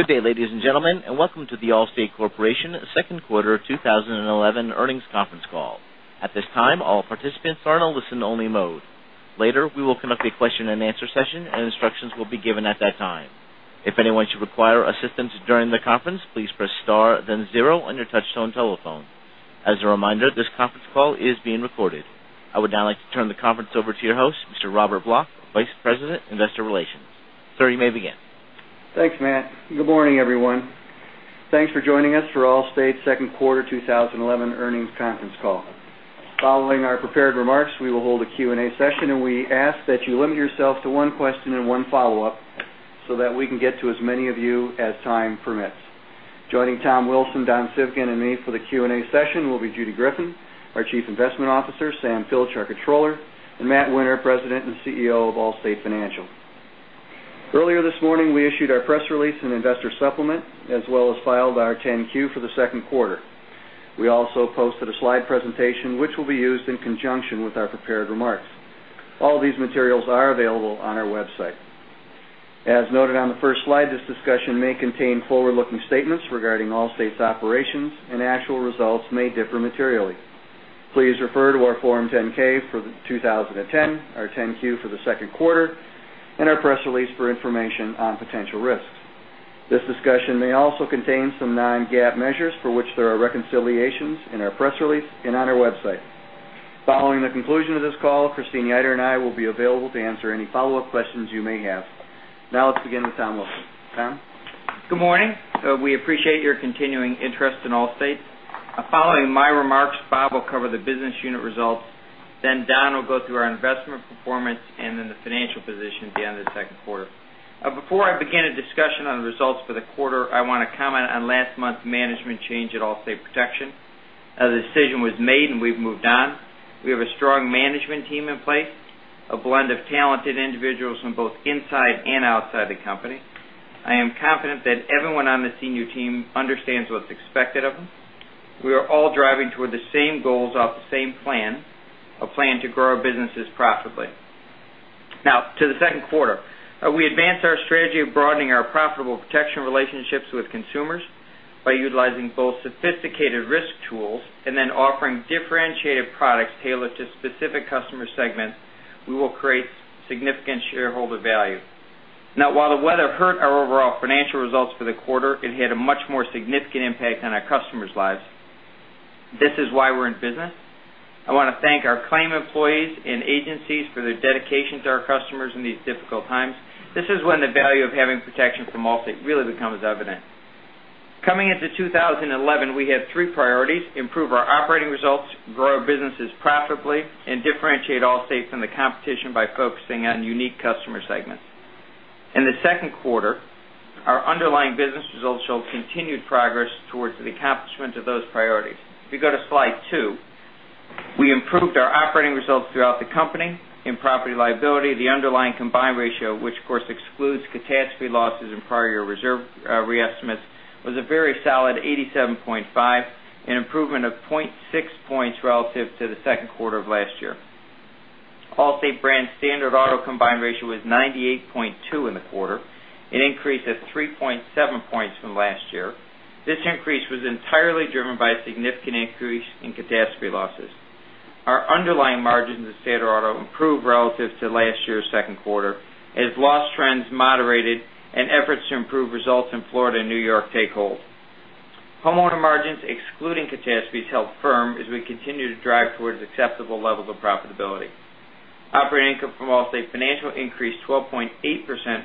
Good day, ladies and gentlemen, and welcome to The Allstate Corporation second quarter 2011 earnings conference call. At this time, all participants are in a listen only mode. Later, we will conduct a question and answer session, and instructions will be given at that time. If anyone should require assistance during the conference, please press star then zero on your touchtone telephone. As a reminder, this conference call is being recorded. I would now like to turn the conference over to your host, Mr. Robert Block, Vice President, Investor Relations. Sir, you may begin. Thanks, Matt. Good morning, everyone. Thanks for joining us for Allstate's second quarter 2011 earnings conference call. Following our prepared remarks, we will hold a Q&A session, and we ask that you limit yourself to one question and one follow-up so that we can get to as many of you as time permits. Joining Tom Wilson, Don Civgin, and me for the Q&A session will be Judy Greffin, our Chief Investment Officer, Sam Pilcher, Controller, and Matt Winter, President and CEO of Allstate Financial. Earlier this morning, we issued our press release and investor supplement as well as filed our 10-Q for the second quarter. We also posted a slide presentation, which will be used in conjunction with our prepared remarks. All these materials are available on our website. As noted on the first slide, this discussion may contain forward-looking statements regarding Allstate's operations and actual results may differ materially. Please refer to our Form 10-K for 2010, our 10-Q for the second quarter, and our press release for information on potential risks. This discussion may also contain some non-GAAP measures for which there are reconciliations in our press release and on our website. Following the conclusion of this call, Christine Eder and I will be available to answer any follow-up questions you may have. Let's begin with Tom Wilson. Tom? Good morning. We appreciate your continuing interest in Allstate. Following my remarks, Bob will cover the business unit results, then Don will go through our investment performance, and then the financial position at the end of the second quarter. Before I begin a discussion on the results for the quarter, I want to comment on last month's management change at Allstate Protection. The decision was made, and we've moved on. We have a strong management team in place, a blend of talented individuals from both inside and outside the company. I am confident that everyone on the senior team understands what's expected of them. We are all driving toward the same goals off the same plan, a plan to grow our businesses profitably. To the second quarter. We advanced our strategy of broadening our profitable protection relationships with consumers by utilizing both sophisticated risk tools and offering differentiated products tailored to specific customer segments. We will create significant shareholder value. While the weather hurt our overall financial results for the quarter, it had a much more significant impact on our customers' lives. This is why we're in business. I want to thank our claim employees and agencies for their dedication to our customers in these difficult times. This is when the value of having protection from Allstate really becomes evident. Coming into 2011, we have three priorities, improve our operating results, grow our businesses profitably, and differentiate Allstate from the competition by focusing on unique customer segments. In the second quarter, our underlying business results showed continued progress towards the accomplishment of those priorities. If you go to slide two, we improved our operating results throughout the company. In property liability, the underlying combined ratio, which of course excludes catastrophe losses and prior year reserve re-estimates, was a very solid 87.5, an improvement of 0.6 points relative to the second quarter of last year. Allstate brand standard auto combined ratio was 98.2 in the quarter, an increase of 3.7 points from last year. This increase was entirely driven by a significant increase in catastrophe losses. Our underlying margins in standard auto improved relative to last year's second quarter as loss trends moderated and efforts to improve results in Florida and New York take hold. Homeowner margins excluding catastrophes held firm as we continue to drive towards acceptable levels of profitability. Operating income from Allstate Financial increased 12.8%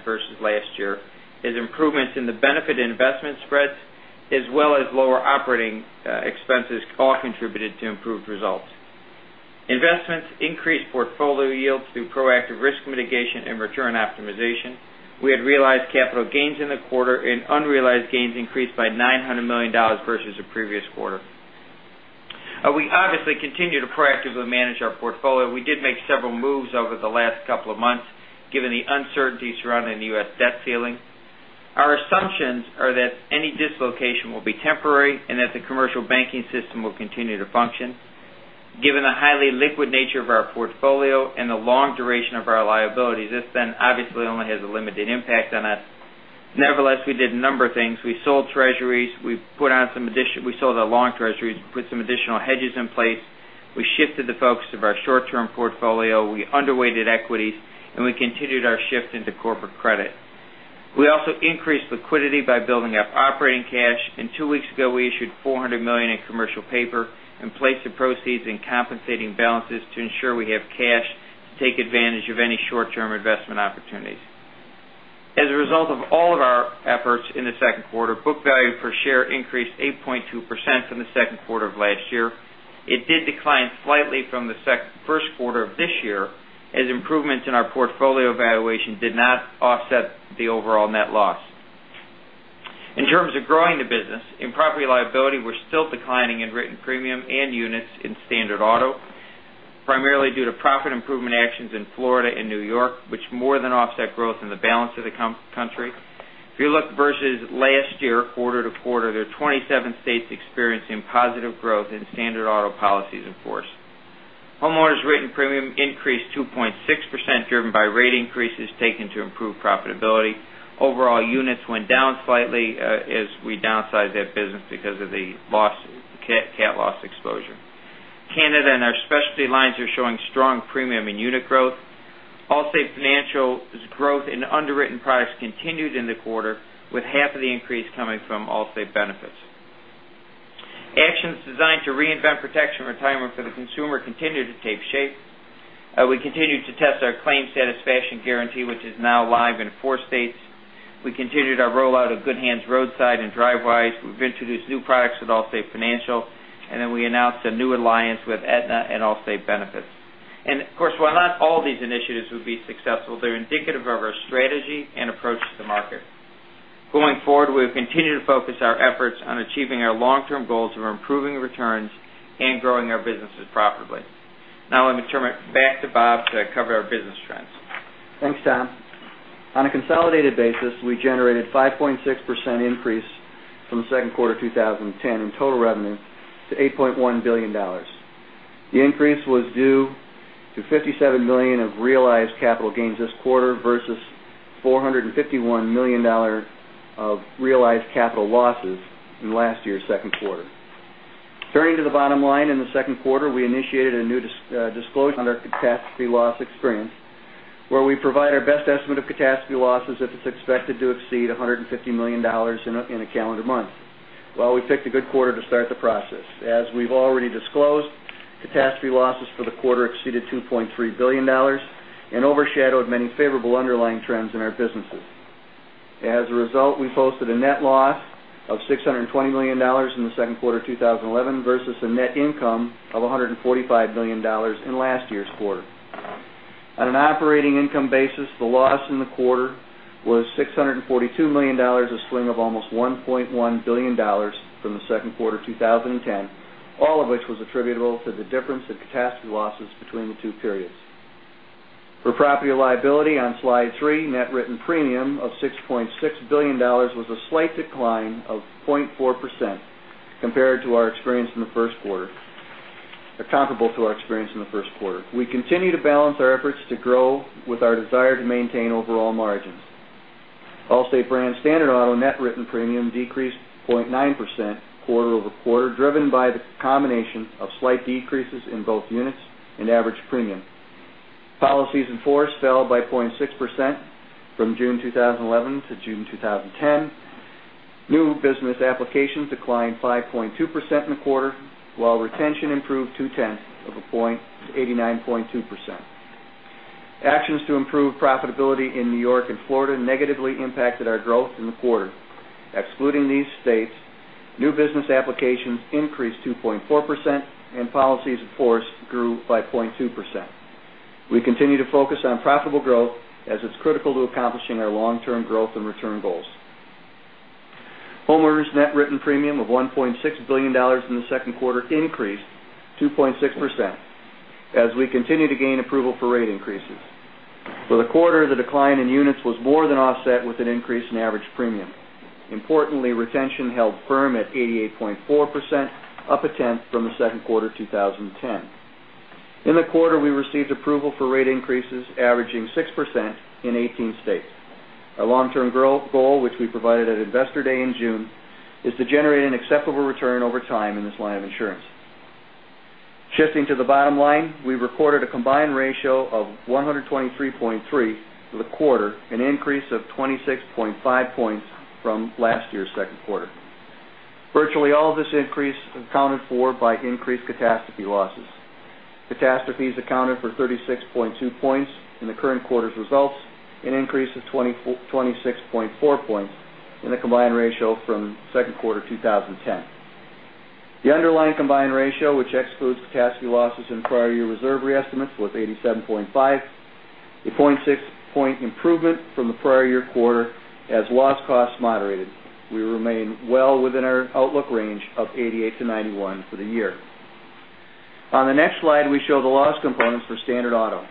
versus last year as improvements in the benefit investment spreads as well as lower operating expenses all contributed to improved results. Investments increased portfolio yields through proactive risk mitigation and return optimization. We had realized capital gains in the quarter, and unrealized gains increased by $900 million versus the previous quarter. We obviously continue to proactively manage our portfolio. We did make several moves over the last couple of months given the uncertainty surrounding the U.S. debt ceiling. Our assumptions are that any dislocation will be temporary and that the commercial banking system will continue to function. Given the highly liquid nature of our portfolio and the long duration of our liabilities, this obviously only has a limited impact on us. We did a number of things. We sold treasuries. We sold our long treasuries. We put some additional hedges in place. We shifted the focus of our short-term portfolio. We underweighted equities, and we continued our shift into corporate credit. We also increased liquidity by building up operating cash. Two weeks ago, we issued $400 million in commercial paper and placed the proceeds in compensating balances to ensure we have cash to take advantage of any short-term investment opportunities. As a result of all of our efforts in the second quarter, book value per share increased 8.2% from the second quarter of last year. It did decline slightly from the first quarter of this year as improvements in our portfolio valuation did not offset the overall net loss. In terms of growing the business, in property liability we're still declining in written premium and units in Standard Auto, primarily due to profit improvement actions in Florida and New York, which more than offset growth in the balance of the country. If you look versus last year quarter-over-quarter, there are 27 states experiencing positive growth in Standard Auto policies in force. Homeowners' written premium increased 2.6%, driven by rate increases taken to improve profitability. Overall units went down slightly as we downsized that business because of the CAT loss exposure. Canada and our specialty lines are showing strong premium and unit growth. Allstate Financial's growth in underwritten products continued in the quarter, with half of the increase coming from Allstate Benefits. Actions designed to reinvent protection retirement for the consumer continued to take shape. We continued to test our Claim Satisfaction Guarantee, which is now live in four states. We continued our rollout of Good Hands Roadside and Drivewise. We've introduced new products with Allstate Financial. Then we announced a new alliance with Aetna and Allstate Benefits. Of course, while not all these initiatives would be successful, they're indicative of our strategy and approach to the market. Going forward, we'll continue to focus our efforts on achieving our long-term goals of improving returns and growing our businesses profitably. Now let me turn it back to Bob to cover our business trends. Thanks, Tom. On a consolidated basis, we generated 5.6% increase from the second quarter 2010 in total revenue to $8.1 billion. The increase was due to $57 million of realized capital gains this quarter versus $451 million of realized capital losses in last year's second quarter. Turning to the bottom line, in the second quarter, we initiated a new disclosure on our catastrophe loss experience, where we provide our best estimate of catastrophe losses if it's expected to exceed $150 million in a calendar month. Well, we picked a good quarter to start the process. As we've already disclosed, catastrophe losses for the quarter exceeded $2.3 billion and overshadowed many favorable underlying trends in our businesses. As a result, we posted a net loss of $620 million in the second quarter 2011 versus a net income of $145 million in last year's quarter. On an operating income basis, the loss in the quarter was $642 million, a swing of almost $1.1 billion from the second quarter 2010, all of which was attributable to the difference in catastrophe losses between the two periods. For property liability on slide three, net written premium of $6.6 billion was a slight decline of 0.4% compared to our experience in the first quarter, or comparable to our experience in the first quarter. We continue to balance our efforts to grow with our desire to maintain overall margins. Allstate brand Standard Auto net written premium decreased 0.9% quarter-over-quarter, driven by the combination of slight decreases in both units and average premium. Policies in force fell by 0.6% from June 2011 to June 2010. New business applications declined 5.2% in the quarter, while retention improved two-tenths of a point to 89.2%. Actions to improve profitability in New York and Florida negatively impacted our growth in the quarter. Excluding these states, new business applications increased 2.4%, and policies in force grew by 0.2%. We continue to focus on profitable growth as it's critical to accomplishing our long-term growth and return goals. Homeowners' net written premium of $1.6 billion in the second quarter increased 2.6% as we continue to gain approval for rate increases. For the quarter, the decline in units was more than offset with an increase in average premium. Importantly, retention held firm at 88.4%, up a tenth from the second quarter 2010. In the quarter, we received approval for rate increases averaging 6% in 18 states. Our long-term goal, which we provided at Investor Day in June, is to generate an acceptable return over time in this line of insurance. Shifting to the bottom line, we recorded a combined ratio of 123.3 for the quarter, an increase of 26.5 points from last year's second quarter. Virtually all of this increase accounted for by increased catastrophe losses. Catastrophes accounted for 36.2 points in the current quarter's results, an increase of 26.4 points in the combined ratio from second quarter 2010. The underlying combined ratio, which excludes catastrophe losses and prior year reserve re-estimates, was 87.5, a 0.6 point improvement from the prior year quarter as loss costs moderated. We remain well within our outlook range of 88 to 91 for the year. On the next slide, we show the loss components for standard auto.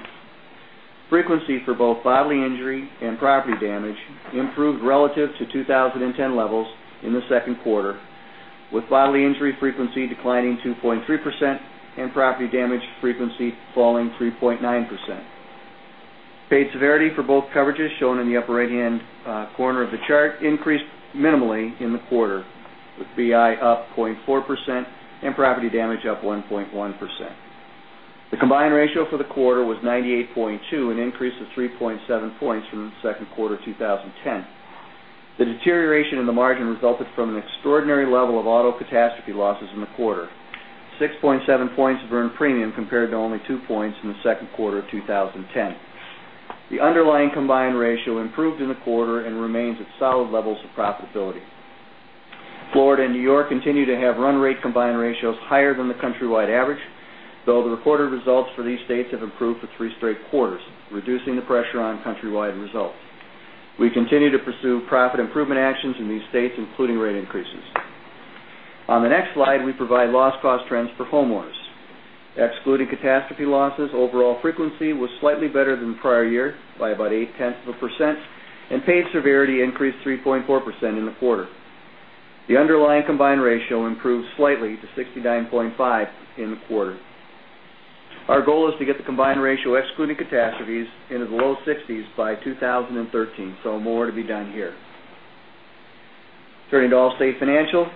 Frequency for both bodily injury and property damage improved relative to 2010 levels in the second quarter, with bodily injury frequency declining 2.3% and property damage frequency falling 3.9%. Paid severity for both coverages shown in the upper right-hand corner of the chart increased minimally in the quarter, with BI up 0.4% and property damage up 1.1%. The combined ratio for the quarter was 98.2, an increase of 3.7 points from the second quarter 2010. The deterioration in the margin resulted from an extraordinary level of auto catastrophe losses in the quarter, 6.7 points of earned premium compared to only two points in the second quarter of 2010. The underlying combined ratio improved in the quarter and remains at solid levels of profitability. Florida and New York continue to have run rate combined ratios higher than the countrywide average, though the reported results for these states have improved for three straight quarters, reducing the pressure on countrywide results. We continue to pursue profit improvement actions in these states, including rate increases. On the next slide, we provide loss cost trends for homeowners. Excluding catastrophe losses, overall frequency was slightly better than the prior year by about eight tenths of a percent, and paid severity increased 3.4% in the quarter. The underlying combined ratio improved slightly to 69.5 in the quarter. Our goal is to get the combined ratio excluding catastrophes into the low 60s by 2013, so more to be done here. Turning to Allstate Financial,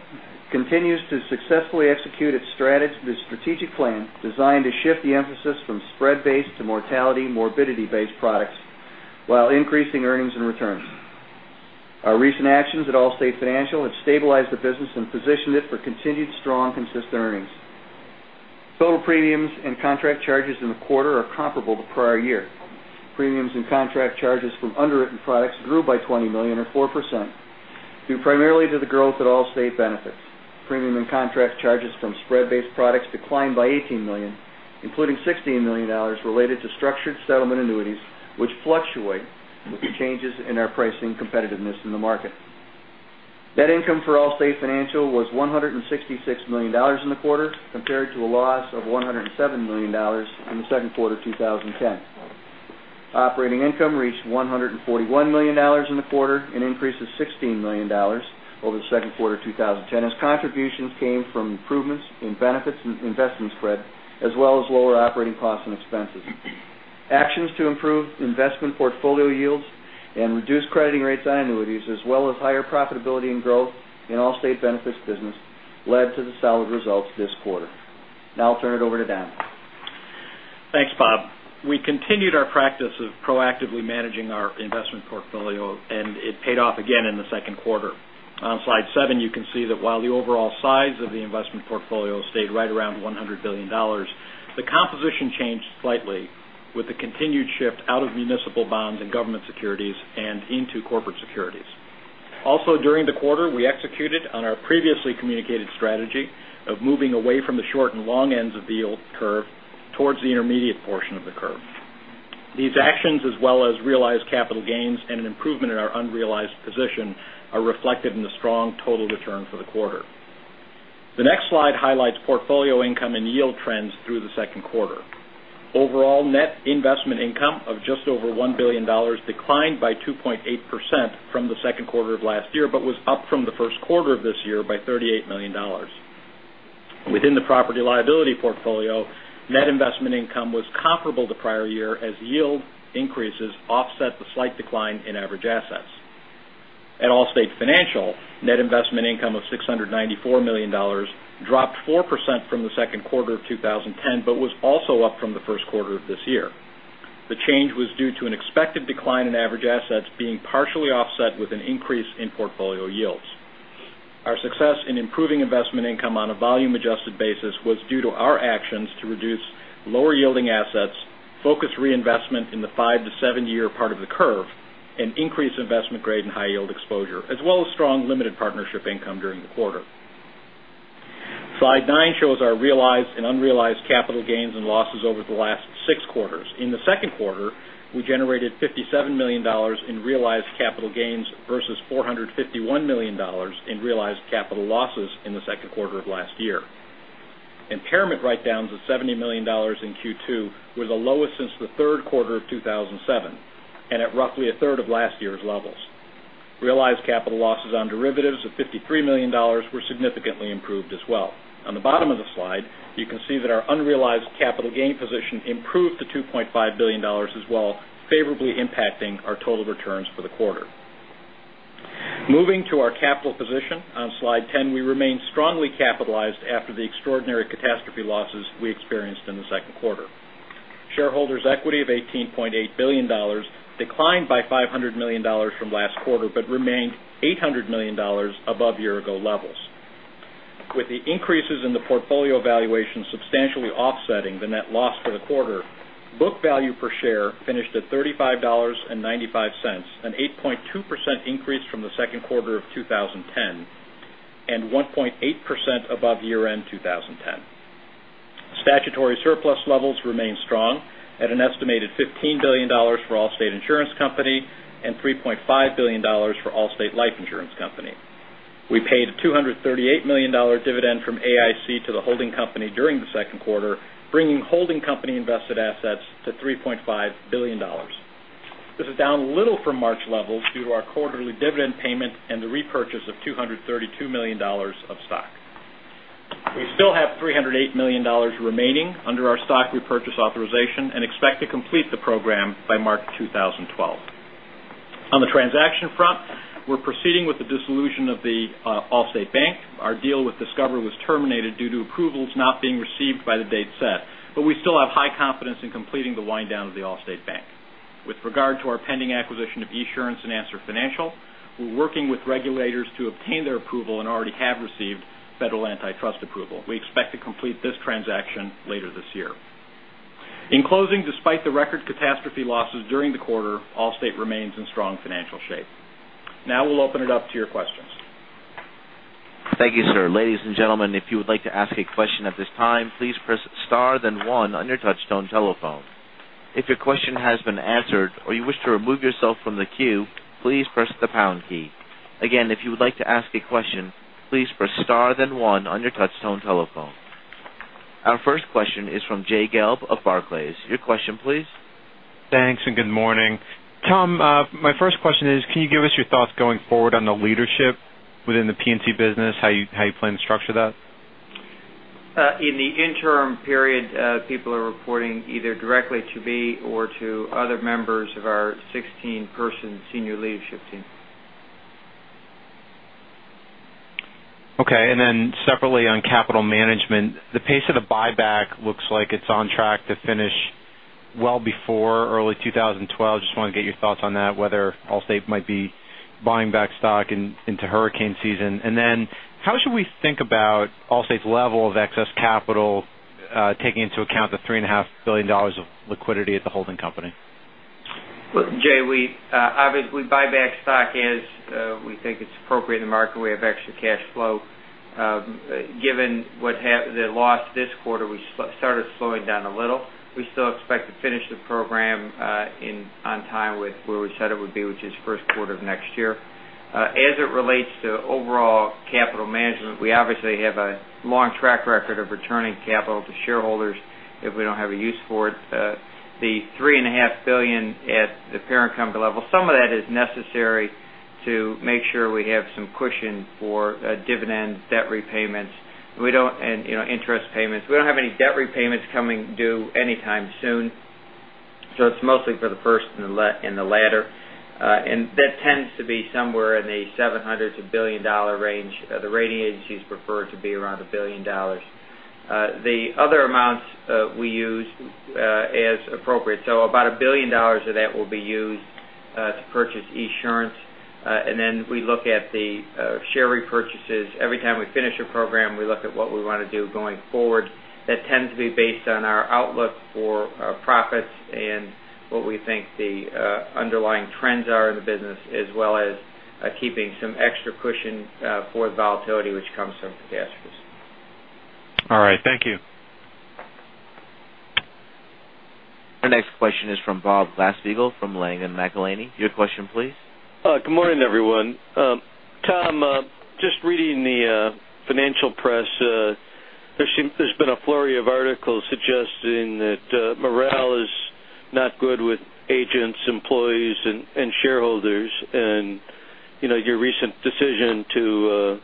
continues to successfully execute its strategic plan designed to shift the emphasis from spread-based to mortality, morbidity-based products while increasing earnings and returns. Our recent actions at Allstate Financial have stabilized the business and positioned it for continued strong, consistent earnings. Total premiums and contract charges in the quarter are comparable to prior year. Premiums and contract charges from underwritten products grew by $20 million or 4%, due primarily to the growth at Allstate Benefits. Premium and contract charges from spread-based products declined by $18 million, including $16 million related to structured settlement annuities, which fluctuate with the changes in our pricing competitiveness in the market. Net income for Allstate Financial was $166 million in the quarter, compared to a loss of $107 million in the second quarter of 2010. Operating income reached $141 million in the quarter, an increase of $16 million over the second quarter of 2010, as contributions came from improvements in benefits and investment spread, as well as lower operating costs and expenses. Actions to improve investment portfolio yields and reduce crediting rates on annuities, as well as higher profitability and growth in Allstate Benefits business led to the solid results this quarter. Now I'll turn it over to Don. Thanks, Bob. We continued our practice of proactively managing our investment portfolio, it paid off again in the second quarter. On slide seven, you can see that while the overall size of the investment portfolio stayed right around $100 billion, the composition changed slightly with the continued shift out of municipal bonds and government securities and into corporate securities. Also during the quarter, we executed on our previously communicated strategy of moving away from the short and long ends of the yield curve towards the intermediate portion of the curve. These actions, as well as realized capital gains and an improvement in our unrealized position, are reflected in the strong total return for the quarter. The next slide highlights portfolio income and yield trends through the second quarter. Overall net investment income of just over $1 billion declined by 2.8% from the second quarter of last year, was up from the first quarter of this year by $38 million. Within the property liability portfolio, net investment income was comparable to prior year as yield increases offset the slight decline in average assets. At Allstate Financial, net investment income of $694 million dropped 4% from the second quarter of 2010, was also up from the first quarter of this year. The change was due to an expected decline in average assets being partially offset with an increase in portfolio yields. Our success in improving investment income on a volume adjusted basis was due to our actions to reduce lower yielding assets, focus reinvestment in the five to seven year part of the curve, increase investment grade and high yield exposure, as well as strong limited partnership income during the quarter. Slide nine shows our realized and unrealized capital gains and losses over the last six quarters. In the second quarter, we generated $57 million in realized capital gains versus $451 million in realized capital losses in the second quarter of last year. Impairment write downs of $70 million in Q2 were the lowest since the third quarter of 2007, at roughly a third of last year's levels. Realized capital losses on derivatives of $53 million were significantly improved as well. On the bottom of the slide, you can see that our unrealized capital gain position improved to $2.5 billion as well, favorably impacting our total returns for the quarter. Moving to our capital position, on slide 10, we remain strongly capitalized after the extraordinary catastrophe losses we experienced in the second quarter. Shareholders equity of $18.8 billion declined by $500 million from last quarter, but remained $800 million above year-ago levels. With the increases in the portfolio valuation substantially offsetting the net loss for the quarter, book value per share finished at $35.95, an 8.2% increase from the second quarter of 2010, and 1.8% above year-end 2010. Statutory surplus levels remain strong at an estimated $15 billion for Allstate Insurance Company and $3.5 billion for Allstate Life Insurance Company. We paid a $238 million dividend from AIC to the holding company during the second quarter, bringing holding company invested assets to $3.5 billion. This is down a little from March levels due to our quarterly dividend payment and the repurchase of $232 million of stock. We still have $308 million remaining under our stock repurchase authorization and expect to complete the program by March 2012. On the transaction front, we're proceeding with the dissolution of the Allstate Bank. Our deal with Discover was terminated due to approvals not being received by the date set, but we still have high confidence in completing the wind-down of the Allstate Bank. With regard to our pending acquisition of Esurance and Answer Financial, we're working with regulators to obtain their approval and already have received federal antitrust approval. We expect to complete this transaction later this year. In closing, despite the record catastrophe losses during the quarter, Allstate remains in strong financial shape. Now we'll open it up to your questions. Thank you, sir. Ladies and gentlemen, if you would like to ask a question at this time, please press star then one on your touchtone telephone. If your question has been answered or you wish to remove yourself from the queue, please press the pound key. Again, if you would like to ask a question, please press star then one on your touchtone telephone. Our first question is from Jay Gelb of Barclays. Your question, please. Thanks, good morning. Tom, my first question is, can you give us your thoughts going forward on the leadership within the P&C business, how you plan to structure that? In the interim period, people are reporting either directly to me or to other members of our 16-person senior leadership team. Okay. Separately on capital management, the pace of the buyback looks like it's on track to finish well before early 2012. Just want to get your thoughts on that, whether Allstate might be buying back stock into hurricane season. How should we think about Allstate's level of excess capital, taking into account the $3.5 billion of liquidity at the holding company? Jay, we buy back stock as we think it's appropriate in the market. We have extra cash flow. Given the loss this quarter, we started slowing down a little. We still expect to finish the program on time with where we said it would be, which is the first quarter of next year. As it relates to overall capital management, we have a long track record of returning capital to shareholders if we don't have a use for it. The $3.5 billion at the parent company level, some of that is necessary to make sure we have some cushion for dividends, debt repayments, and interest payments. We don't have any debt repayments coming due anytime soon, so it's mostly for the first and the latter. That tends to be somewhere in the $700 million-$1 billion range. The rating agencies prefer it to be around $1 billion. The other amounts we use as appropriate. About $1 billion of that will be used to purchase Esurance. Then we look at the share repurchases. Every time we finish a program, we look at what we want to do going forward. That tends to be based on our outlook for our profits and what we think the underlying trends are in the business, as well as keeping some extra cushion for the volatility which comes from catastrophes. All right. Thank you. Our next question is from Bob Glasspiegel of Langen McAlenney. Your question, please. Good morning, everyone. Tom, just reading the financial press, there's been a flurry of articles suggesting that morale is not good with agents, employees, and shareholders. Your recent decision to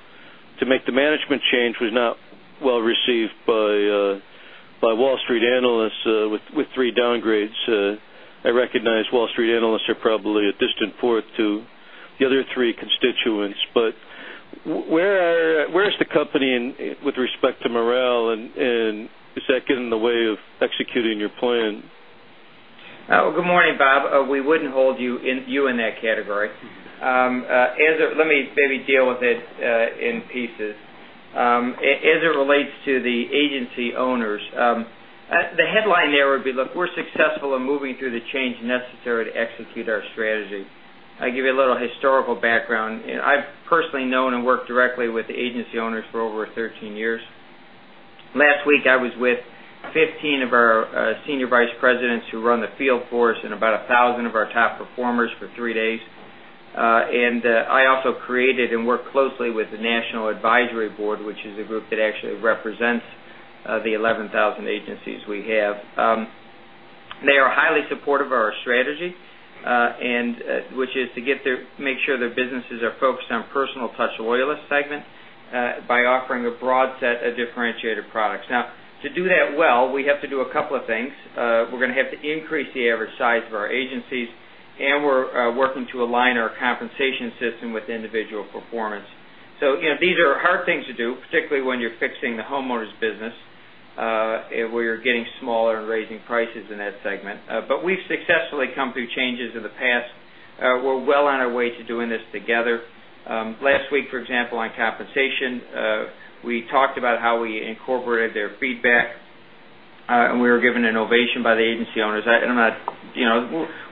make the management change was not well received by Wall Street analysts with three downgrades. I recognize Wall Street analysts are probably a distant fourth to the other three constituents, but where is the company with respect to morale, and does that get in the way of executing your plan? Good morning, Bob. We wouldn't hold you in that category. Let me maybe deal with it in pieces. As it relates to the agency owners, the headline there would be, look, we're successful in moving through the change necessary to execute our strategy. I'll give you a little historical background. I've personally known and worked directly with the agency owners for over 13 years. Last week, I was with 15 of our senior vice presidents who run the field force and about 1,000 of our top performers for three days. I also created and work closely with the National Advisory Board, which is a group that actually represents the 11,000 agencies we have. They are highly supportive of our strategy, which is to make sure their businesses are focused on personal touch loyalist segment by offering a broad set of differentiated products. Now, to do that well, we have to do a couple of things. We're going to have to increase the average size of our agencies, and we're working to align our compensation system with individual performance. These are hard things to do, particularly when you're fixing the homeowners business where you're getting smaller and raising prices in that segment. We've successfully come through changes in the past. We're well on our way to doing this together. Last week, for example, on compensation, we talked about how we incorporated their feedback, and we were given an ovation by the agency owners.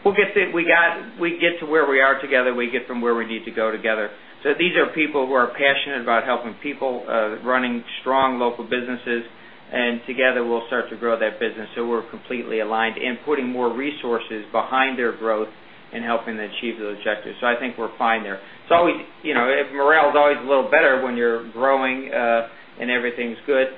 We get to where we are together, we get from where we need to go together. These are people who are passionate about helping people, running strong local businesses, and together we'll start to grow that business. We're completely aligned and putting more resources behind their growth and helping them achieve those objectives. I think we're fine there. Morale is always a little better when you're growing and everything's good,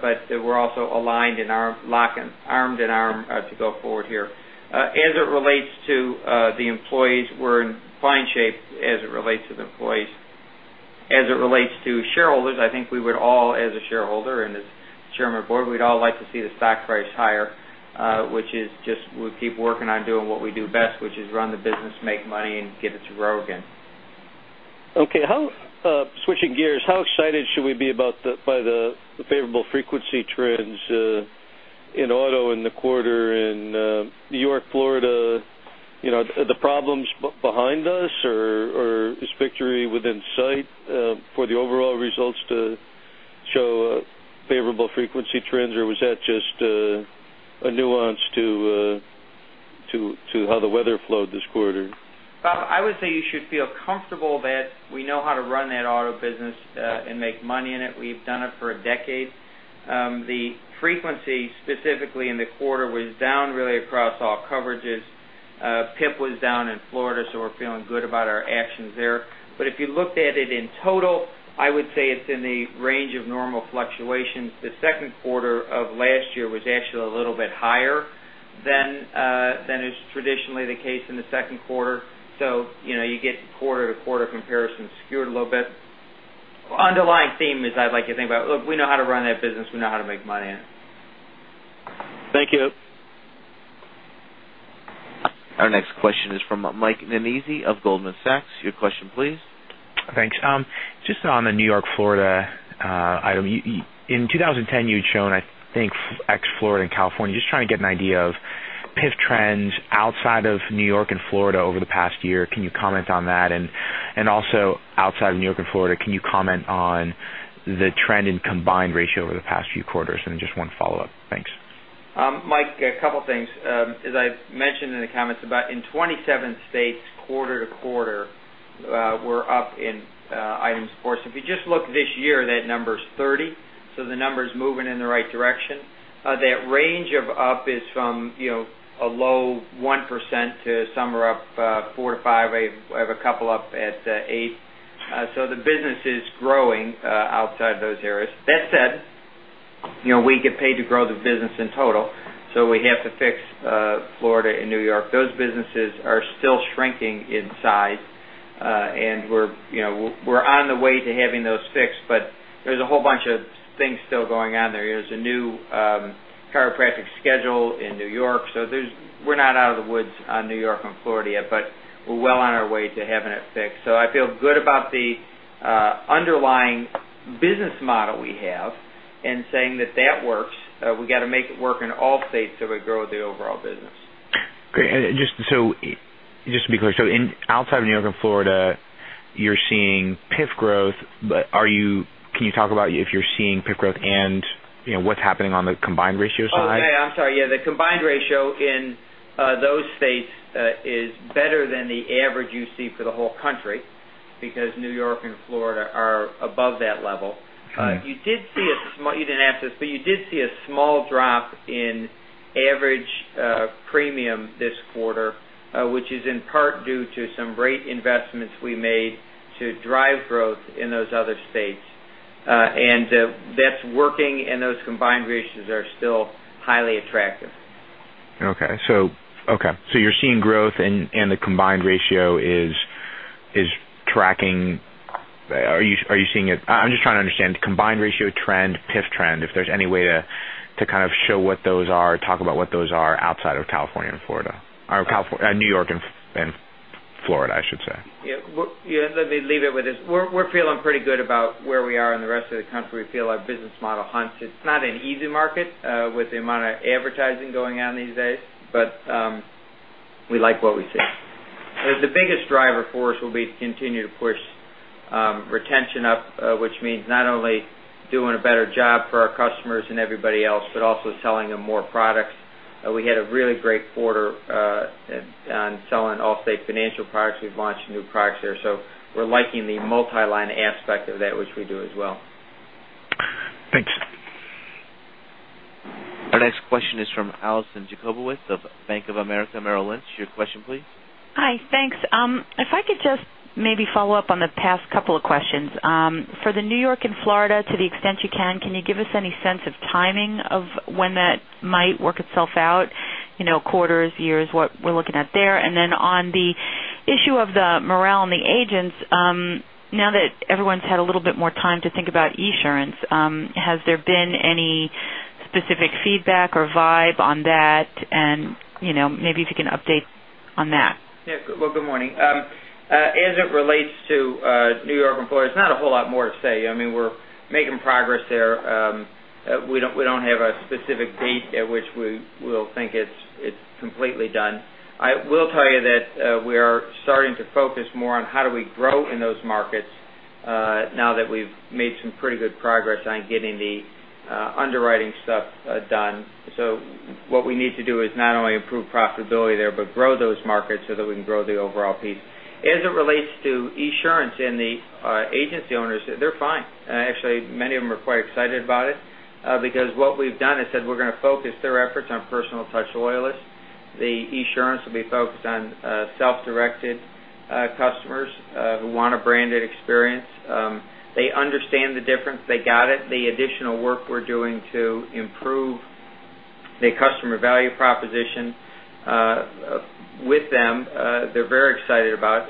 but we're also aligned and armed to go forward here. As it relates to the employees, we're in fine shape as it relates to the employees. As it relates to shareholders, I think we would all, as a shareholder and as chairman of the board, we'd all like to see the stock price higher, which is just we keep working on doing what we do best, which is run the business, make money, and get it to grow again. Okay. Switching gears, how excited should we be by the favorable frequency trends in auto in the quarter in New York, Florida? Are the problems behind us, or is victory within sight for the overall results to show favorable frequency trends, or was that just a nuance to how the weather flowed this quarter? Bob, I would say you should feel comfortable that we know how to run that auto business and make money in it. We've done it for a decade. The frequency specifically in the quarter was down really across all coverages PIF was down in Florida, so we're feeling good about our actions there. If you looked at it in total, I would say it's in the range of normal fluctuations. The second quarter of last year was actually a little bit higher than is traditionally the case in the second quarter. You get quarter-to-quarter comparison skewed a little bit. Underlying theme is I'd like you to think about, look, we know how to run that business. We know how to make money in it. Thank you. Our next question is from Michael Nannizzi of Goldman Sachs. Your question, please. Thanks. Just on the New York, Florida item. In 2010, you'd shown, I think, ex-Florida and California. Just trying to get an idea of PIF trends outside of New York and Florida over the past year. Can you comment on that? Also outside of New York and Florida, can you comment on the trend in combined ratio over the past few quarters? Then just one follow-up. Thanks. Mike, a couple things. As I've mentioned in the comments, in 27 states, quarter-to-quarter, we're up in items of course. If you just look this year, that number is 30, so the number's moving in the right direction. That range of up is from a low 1% to some are up 4%-5%. I have a couple up at 8%. The business is growing outside those areas. That said, we get paid to grow the business in total, so we have to fix Florida and New York. Those businesses are still shrinking in size. We're on the way to having those fixed, but there's a whole bunch of things still going on there. There's a new chiropractic schedule in New York, so we're not out of the woods on New York and Florida yet, but we're well on our way to having it fixed. I feel good about the underlying business model we have and saying that that works. We got to make it work in all states so we grow the overall business. Great. Just to be clear, so outside of New York and Florida, you're seeing PIF growth, but can you talk about if you're seeing PIF growth and what's happening on the combined ratio side? Oh, yeah, I'm sorry. Yeah, the combined ratio in those states is better than the average you see for the whole country because New York and Florida are above that level. Right. You didn't ask this, but you did see a small drop in average premium this quarter, which is in part due to some great investments we made to drive growth in those other states. That's working and those combined ratios are still highly attractive. Okay. You're seeing growth and the combined ratio is tracking. I'm just trying to understand the combined ratio trend, PIF trend, if there's any way to kind of show what those are, talk about what those are outside of California and Florida. New York and Florida, I should say. Yeah. Let me leave it with this. We're feeling pretty good about where we are in the rest of the country. We feel our business model hunts. It's not an easy market with the amount of advertising going on these days, we like what we see. The biggest driver for us will be to continue to push retention up, which means not only doing a better job for our customers and everybody else, but also selling them more products. We had a really great quarter on selling Allstate Financial products. We've launched new products there. We're liking the multi-line aspect of that, which we do as well. Thanks. Our next question is from Alison Jacobowitz of Bank of America Merrill Lynch. Your question, please. Hi. Thanks. If I could just maybe follow up on the past couple of questions. For the N.Y. and Florida, to the extent you can you give us any sense of timing of when that might work itself out? Quarters, years, what we're looking at there. On the issue of the morale and the agents, now that everyone's had a little bit more time to think about Esurance, has there been any specific feedback or vibe on that? Maybe if you can update on that. Yeah. Well, good morning. As it relates to N.Y. employers, not a whole lot more to say. We're making progress there. We don't have a specific date at which we'll think it's completely done. I will tell you that we are starting to focus more on how do we grow in those markets now that we've made some pretty good progress on getting the underwriting stuff done. What we need to do is not only improve profitability there but grow those markets so that we can grow the overall piece. As it relates to Esurance and the agency owners, they're fine. Actually, many of them are quite excited about it because what we've done is said we're going to focus their efforts on personal touch loyalists. The Esurance will be focused on self-directed customers who want a branded experience. They understand the difference. They got it. The additional work we're doing to improve the customer value proposition with them, they're very excited about.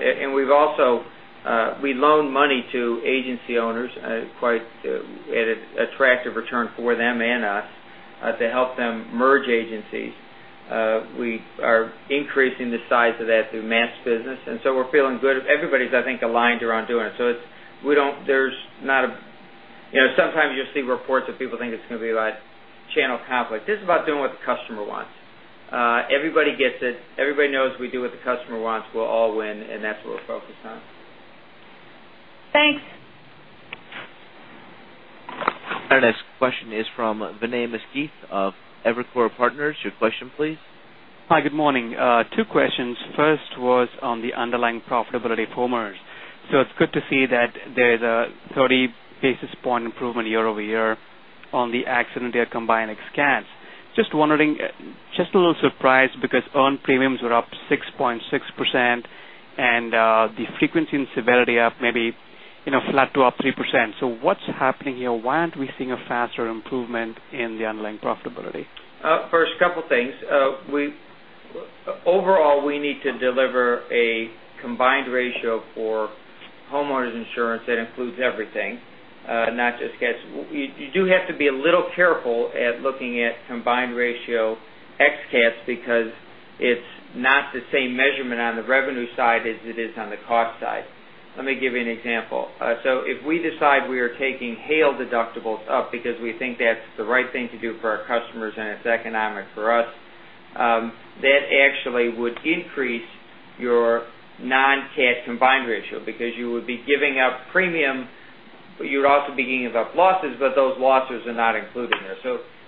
We loan money to agency owners at an attractive return for them and us to help them merge agencies. We are increasing the size of that through mass business, we're feeling good. Everybody's, I think, aligned around doing it. Sometimes you'll see reports that people think it's going to be channel conflict. This is about doing what the customer wants. Everybody gets it. Everybody knows we do what the customer wants. We'll all win, that's what we're focused on. Thanks. Our next question is from Vinay Misquith of Evercore Partners. Your question, please. Hi, good morning. Two questions. First was on the underlying profitability for merge. It's good to see that there is a 30 basis point improvement year-over-year on the accident year combined ex CATs. Just wondering, just a little surprised because earned premiums were up 6.6% and the frequency and severity are maybe flat to up 3%. What's happening here? Why aren't we seeing a faster improvement in the underlying profitability? First, couple things. Overall, we need to deliver a combined ratio for homeowners insurance that includes everything, not just CATs. You do have to be a little careful at looking at combined ratio ex CATs because it's not the same measurement on the revenue side as it is on the cost side. Let me give you an example. If we decide we are taking hail deductibles up because we think that's the right thing to do for our customers and it's economic for us, that actually would increase your non-CAT combined ratio because you would be giving up premium, but you'd also be giving up losses, but those losses are not included there.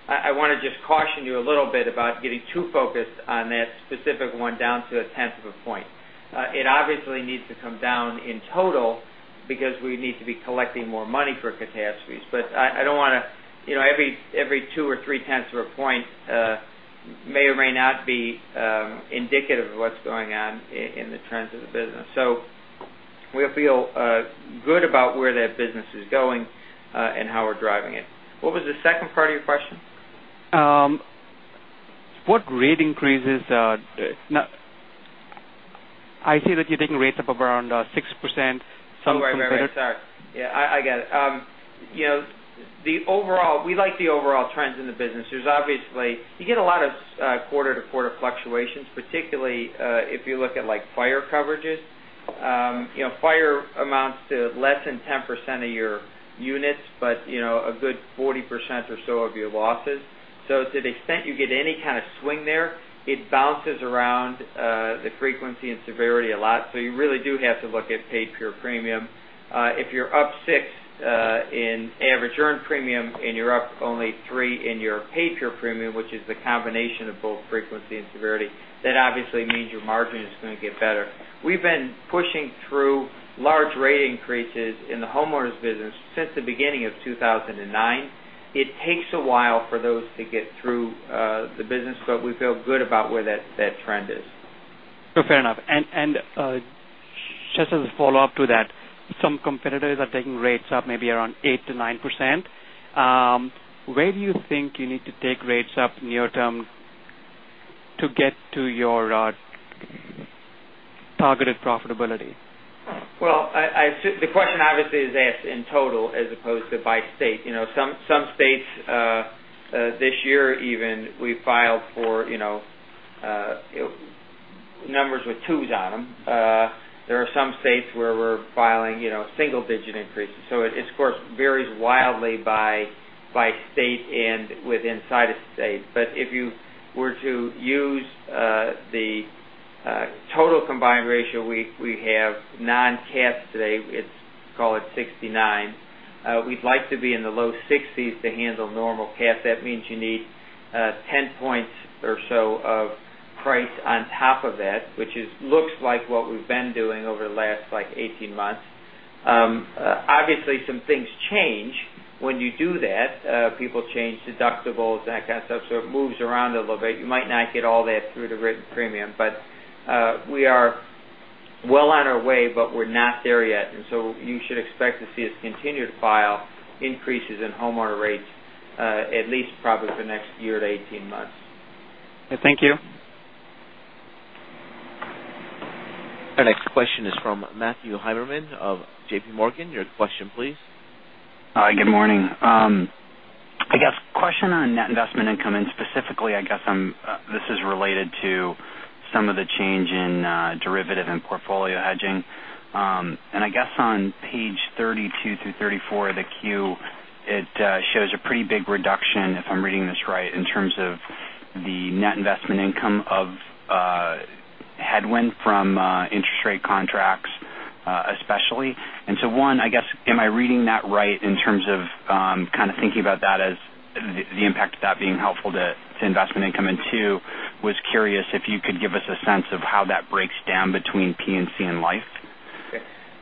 I want to just caution you a little bit about getting too focused on that specific one down to a tenth of a point. It obviously needs to come down in total because we need to be collecting more money for catastrophes. Every two or three tenths of a point may or may not be indicative of what's going on in the trends of the business. We feel good about where that business is going and how we're driving it. What was the second part of your question? What rate increases I see that you're taking rates up around 6%. Some competitors- Oh, right. Sorry. Yeah, I get it. We like the overall trends in the business. You get a lot of quarter-to-quarter fluctuations, particularly if you look at fire coverages. Fire amounts to less than 10% of your units but a good 40% or so of your losses. To the extent you get any kind of swing there, it bounces around the frequency and severity a lot. You really do have to look at paid pure premium. If you're up six in average earned premium and you're up only three in your paid pure premium, which is the combination of both frequency and severity, that obviously means your margin is going to get better. We've been pushing through large rate increases in the homeowners business since the beginning of 2009. It takes a while for those to get through the business. We feel good about where that trend is. Just as a follow-up to that, some competitors are taking rates up maybe around 8%-9%. Where do you think you need to take rates up near term to get to your targeted profitability? The question obviously is asked in total as opposed to by state. Some states this year even, we filed for numbers with twos on them. There are some states where we're filing single digit increases. It, of course, varies wildly by state and within inside a state. If you were to use the total combined ratio, we have non-CATs today, call it 69. We'd like to be in the low 60s to handle normal CATs. That means you need 10 points or so of price on top of it, which looks like what we've been doing over the last 18 months. Obviously, some things change when you do that. People change deductibles and that kind of stuff, so it moves around a little bit. You might not get all that through the written premium, but we are well on our way, but we're not there yet. You should expect to see us continue to file increases in homeowner rates at least probably for the next year to 18 months. Thank you. Our next question is from Matthew Heimermann of JPMorgan. Your question please. Hi. Good morning. I guess question on net investment income, specifically, I guess this is related to some of the change in derivative and portfolio hedging. I guess on page 32 through 34 of the Q, it shows a pretty big reduction, if I'm reading this right, in terms of the net investment income of headwind from interest rate contracts, especially. So one, I guess, am I reading that right in terms of kind of thinking about that as the impact of that being helpful to investment income? Two, was curious if you could give us a sense of how that breaks down between P&C and life.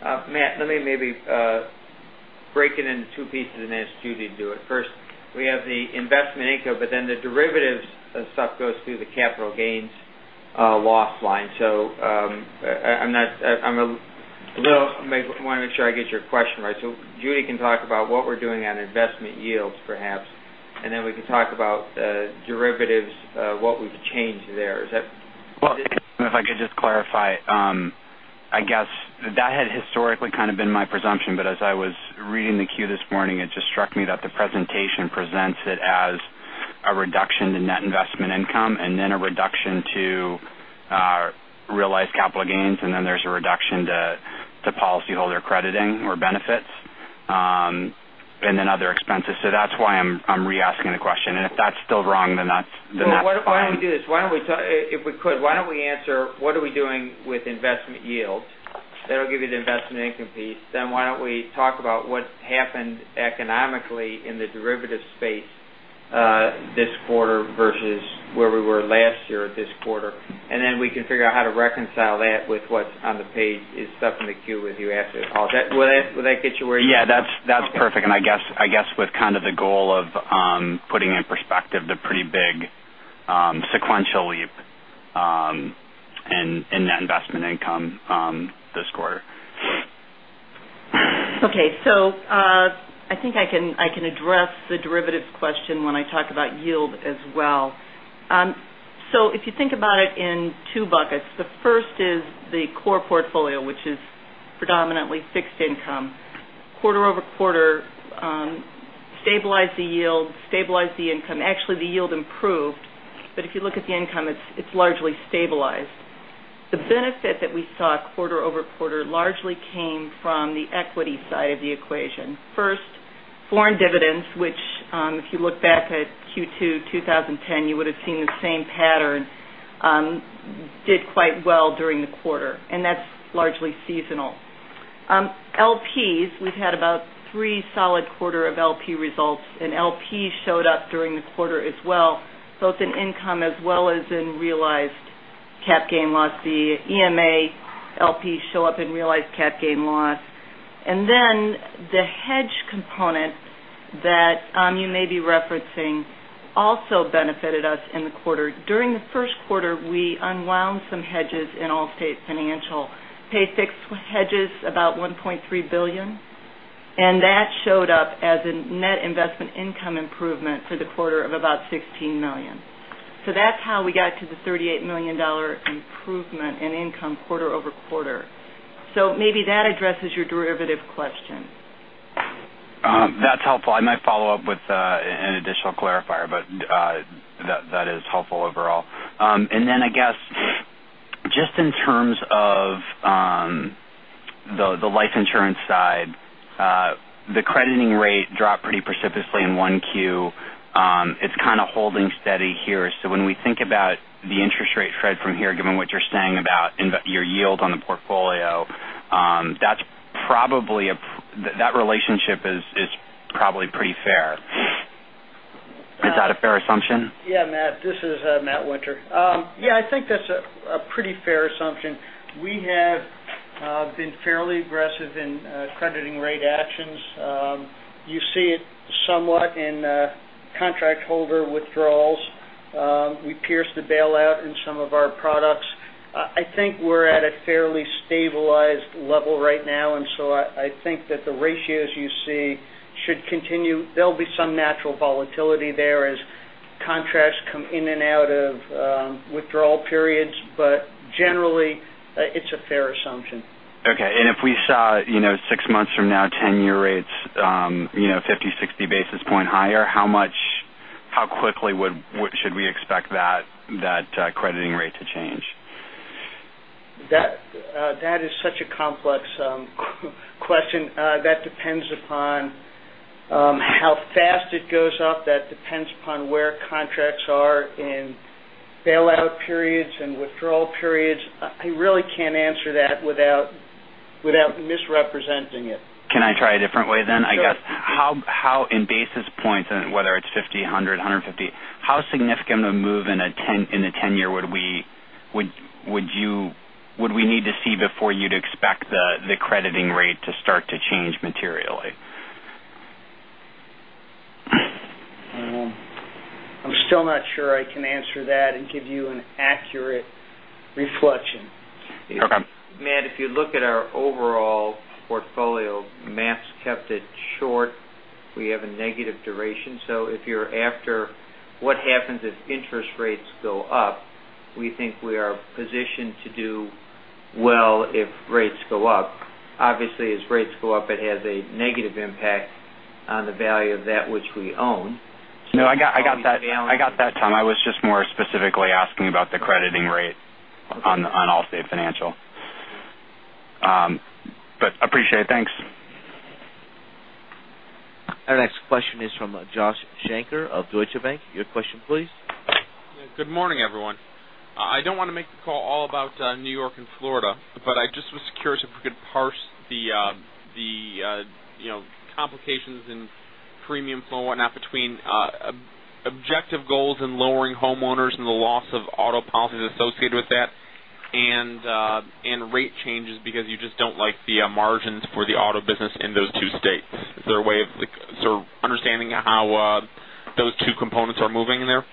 Matt, let me maybe break it into two pieces and ask Judy to do it. First, we have the investment income, then the derivatives stuff goes through the capital gains loss line. I want to make sure I get your question right. Judy can talk about what we're doing on investment yields, perhaps, then we can talk about derivatives, what we've changed there. Is that right? Well, if I could just clarify. I guess that had historically kind of been my presumption, as I was reading the Q this morning, it just struck me that the presentation presents it as a reduction in net investment income and then a reduction to realized capital gains, and then there's a reduction to policyholder crediting or benefits, and then other expenses. That's why I'm re-asking the question. If that's still wrong, then that's fine. Why don't we do this? If we could, why don't we answer what are we doing with investment yields? That'll give you the investment income piece. Why don't we talk about what's happened economically in the derivative space this quarter versus where we were last year this quarter. We can figure out how to reconcile that with what's on the page is stuff in the queue if you ask a call. Will that get you where you- Yeah, that's perfect. Okay. I guess with kind of the goal of putting in perspective the pretty big sequential leap in net investment income this quarter. Okay. I think I can address the derivatives question when I talk about yield as well. If you think about it in two buckets, the first is the core portfolio, which is predominantly fixed income. Quarter-over-quarter, stabilized the yield, stabilized the income. Actually, the yield improved, but if you look at the income, it's largely stabilized. The benefit that we saw quarter-over-quarter largely came from the equity side of the equation. First, foreign dividends, which, if you look back at Q2 2010, you would have seen the same pattern, did quite well during the quarter. That's largely seasonal. LPs, we've had about three solid quarter of LP results, and LPs showed up during the quarter as well, both in income as well as in realized cap gain loss. The EMA LPs show up in realized cap gain loss. The hedge component that you may be referencing also benefited us in the quarter. During the first quarter, we unwound some hedges in Allstate Financial. Pay fixed hedges about $1.3 billion, and that showed up as a net investment income improvement for the quarter of about $16 million. That's how we got to the $38 million improvement in income quarter-over-quarter. Maybe that addresses your derivative question. That's helpful. I might follow up with an additional clarifier, but that is helpful overall. I guess just in terms of the life insurance side, the crediting rate dropped pretty precipitously in 1Q. It's kind of holding steady here. When we think about the interest rate trend from here, given what you're saying about your yield on the portfolio, that relationship is probably pretty fair. Is that a fair assumption? Matt, this is Matt Winter. I think that's a pretty fair assumption. We have been fairly aggressive in crediting rate actions. You see it somewhat in contract holder withdrawals. We pierced the bailout in some of our products. I think we're at a fairly stabilized level right now. I think that the ratios you see should continue. There'll be some natural volatility there as contracts come in and out of withdrawal periods, generally, it's a fair assumption. Okay. If we saw six months from now, 10-year rates 50, 60 basis point higher, how quickly should we expect that crediting rate to change? That is such a complex question. That depends upon how fast it goes up. That depends upon where contracts are in bailout periods and withdrawal periods. I really can't answer that without misrepresenting it. Can I try a different way then? Sure, you can. I guess, how in basis points, and whether it's 50, 100, 150, how significant of a move in a 10-year would we need to see before you'd expect the crediting rate to start to change materially? I'm still not sure I can answer that and give you an accurate reflection. Okay. Matt, if you look at our overall portfolio, Matt's kept it short. We have a negative duration. If you're after what happens if interest rates go up, we think we are positioned to do well if rates go up. Obviously, as rates go up, it has a negative impact on the value of that which we own. I got that, Tom. I was just more specifically asking about the crediting rate on Allstate Financial. Appreciate it. Thanks. Our next question is from Joshua Shanker of Deutsche Bank. Your question, please. Good morning, everyone. I don't want to make the call all about New York and Florida, but I just was curious if we could parse the complications in premium flow and whatnot between objective goals in lowering homeowners and the loss of auto policies associated with that and rate changes because you just don't like the margins for the auto business in those two states. Is there a way of sort of understanding how those two components are moving there?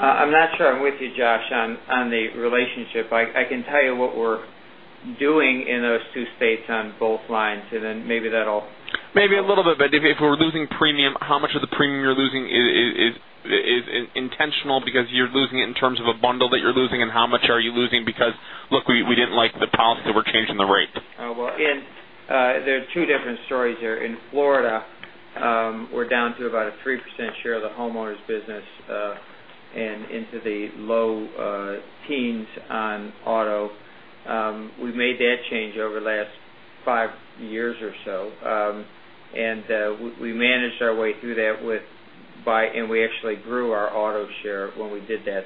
I'm not sure I'm with you, Josh, on the relationship. I can tell you what we're doing in those two states on both lines, and then maybe that'll- Maybe a little bit. If we're losing premium, how much of the premium you're losing is intentional because you're losing it in terms of a bundle that you're losing, and how much are you losing because, look, we didn't like the policy, we're changing the rate? Well, there are two different stories here. In Florida, we're down to about a 3% share of the homeowners business and into the low teens on auto. We made that change over the last five years or so. We managed our way through that And we actually grew our auto share when we did that.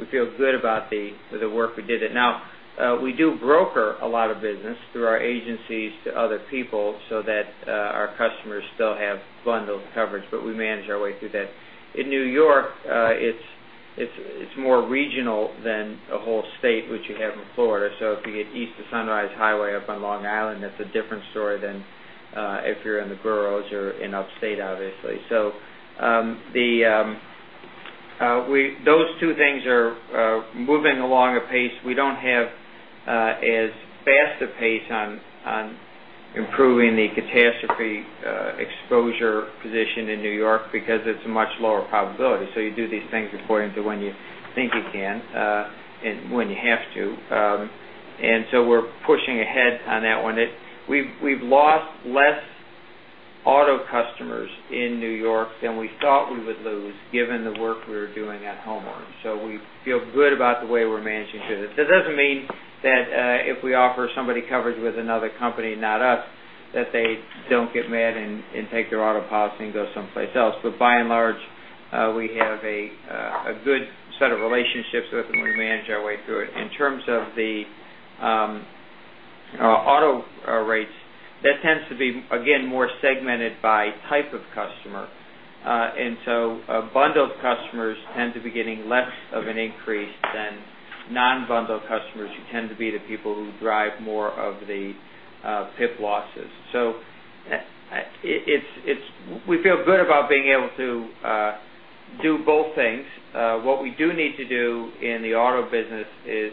We feel good about the work we did there. Now, we do broker a lot of business through our agencies to other people so that our customers still have bundled coverage, but we manage our way through that. In New York, it's more regional than a whole state, which you have in Florida. If you get east of Sunrise Highway up on Long Island, that's a different story than if you're in the boroughs or in upstate, obviously. Those two things are moving along at pace. We don't have as fast a pace on improving the catastrophe exposure position in New York because it's a much lower probability. You do these things according to when you think you can and when you have to. We're pushing ahead on that one. We've lost less auto customers in New York than we thought we would lose given the work we were doing at home. We feel good about the way we're managing through this. That doesn't mean that if we offer somebody coverage with another company, not us, that they don't get mad and take their auto policy and go someplace else. By and large, we have a good set of relationships with them. We manage our way through it. In terms of the auto rates, that tends to be, again, more segmented by type of customer. Bundled customers tend to be getting less of an increase than non-bundled customers who tend to be the people who drive more of the PIP losses. We feel good about being able to do both things. What we do need to do in the auto business is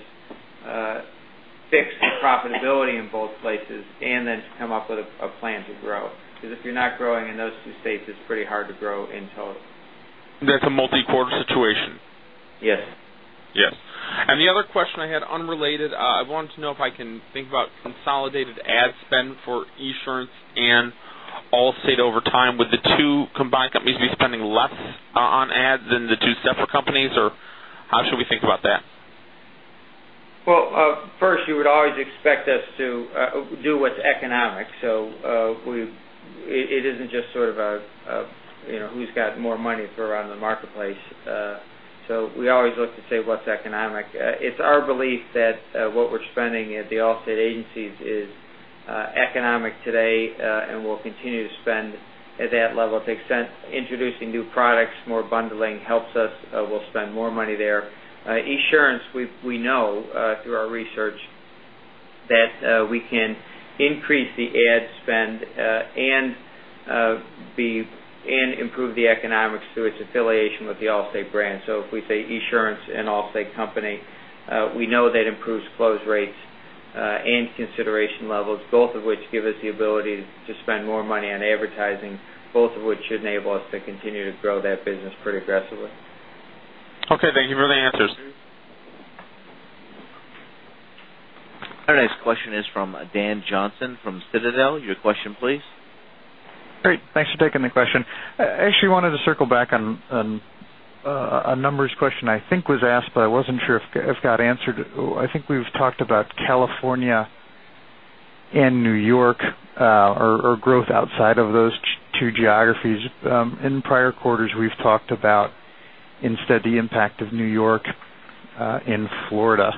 fix the profitability in both places and then come up with a plan to grow. Because if you're not growing in those two states, it's pretty hard to grow in total. That's a multi-quarter situation? Yes. Yes. The other question I had unrelated, I wanted to know if I can think about consolidated ad spend for Esurance and Allstate over time. Would the two combined companies be spending less on ads than the two separate companies? How should we think about that? Well, first, you would always expect us to do what's economic. It isn't just sort of who's got more money to throw around in the marketplace. We always look to say what's economic. It's our belief that what we're spending at the Allstate agencies is economic today, and we'll continue to spend at that level to the extent introducing new products, more bundling helps us. We'll spend more money there. Esurance, we know through our research that we can increase the ad spend and improve the economics through its affiliation with the Allstate brand. If we say Esurance an Allstate company, we know that improves close rates and consideration levels, both of which give us the ability to spend more money on advertising, both of which should enable us to continue to grow that business pretty aggressively. Okay. Thank you for the answers. Our next question is from Dan Johnson from Citadel. Your question, please. Great. Thanks for taking the question. I actually wanted to circle back on a numbers question I think was asked, but I wasn't sure if it got answered. I think we've talked about California and New York or growth outside of those two geographies. In prior quarters, we've talked about instead the impact of New York and Florida.